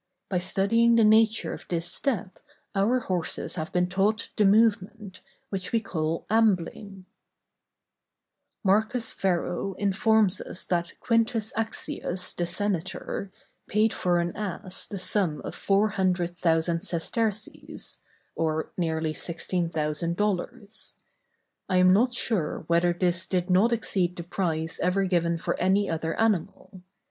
By studying the nature of this step our horses have been taught the movement, which we call ambling. [Illustration: ASS.—Ásinus Vulgáris.] Marcus Varro informs us that Quintus Axius, the senator, paid for an ass the sum of four hundred thousand sesterces (or nearly $16,000). I am not sure whether this did not exceed the price ever given for any other animal.